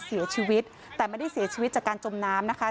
เสียชีวิตแต่ไม่ได้เสียชีวิตจากการจมน้ำนะคะ